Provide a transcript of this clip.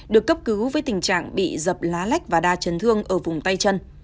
được cấp cứu với tình trạng bị dập lá lách và đa chấn thương ở vùng tay chân